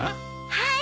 はい。